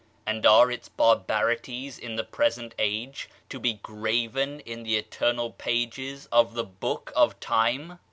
And are its barbarities in the present age to be graven in the eternal pages of the book of time?